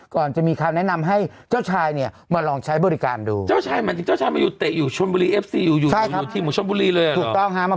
ก่อนจะมีคำแนะนำให้เจ้าชายเนี่ยมาลองใช้บริการดูเจ้าชายเหมือนที่เจ้าชายมาอยู่เตะอยู่ชนบุรีเอฟซีอยู่อยู่อยู่ที่